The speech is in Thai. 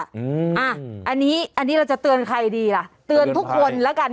อันนี้อันนี้เราจะเตือนใครดีล่ะเตือนทุกคนแล้วกัน